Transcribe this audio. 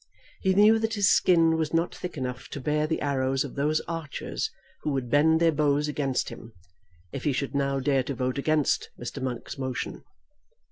He knew that his skin was not thick enough to bear the arrows of those archers who would bend their bows against him if he should now dare to vote against Mr. Monk's motion.